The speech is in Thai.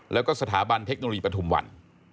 แล้วก็สถาบันเทคโนโลยีปฐุมวัน